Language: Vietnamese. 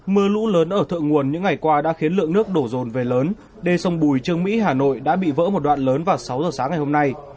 mưa lũ lớn ở thượng nguồn những ngày qua đã khiến lượng nước đổ rồn về lớn đê sông bùi trương mỹ hà nội đã bị vỡ một đoạn lớn vào sáu giờ sáng ngày hôm nay